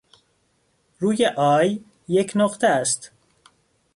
روی "i" یک نقطه است.